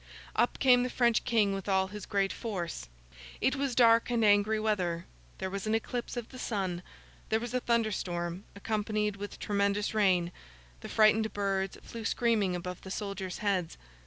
Up came the French King with all his great force. It was dark and angry weather; there was an eclipse of the sun; there was a thunder storm, accompanied with tremendous rain; the frightened birds flew screaming above the soldiers' heads.